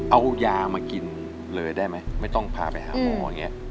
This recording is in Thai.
เอายามากินเลยได้ไหมไม่ต้องพาไปหาหมออย่างนี้